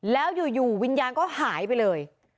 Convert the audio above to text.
แล้วอยู่วิญญาณก็หายไปเลย